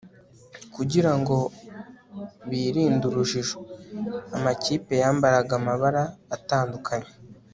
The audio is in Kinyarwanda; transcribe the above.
kugira ngo birinde urujijo, amakipe yambaraga amabara atandukanye